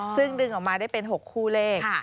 ซึ่งดึงออกมาได้เป็น๖คู่เลข